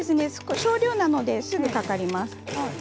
少量ですのですぐにかかります。